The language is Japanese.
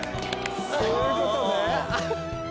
そういうことね！